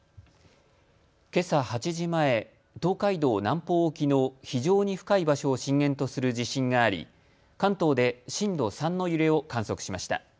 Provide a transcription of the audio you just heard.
けさ８時前、東海道南方沖の非常に深い場所を震源とする地震があり関東で震度３の揺れを観測しました。